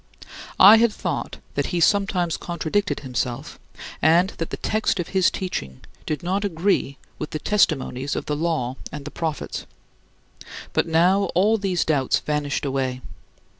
I had thought that he sometimes contradicted himself and that the text of his teaching did not agree with the testimonies of the Law and the Prophets; but now all these doubts vanished away.